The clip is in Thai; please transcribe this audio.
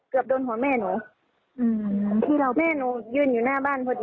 โดนหัวแม่หนูอืมที่เราแม่หนูยืนอยู่หน้าบ้านพอดี